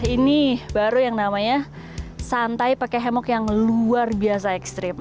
ini baru yang namanya santai pakai hemok yang luar biasa ekstrim